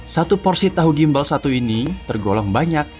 satu porsi tahu gimbal satu ini tergolong banyak